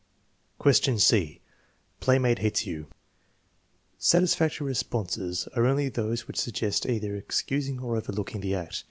Question c (Playmate hits you) Satisfactory responses are only those which suggest either excus ing or overlooking the act.